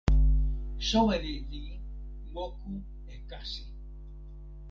soweli li moku e kasi.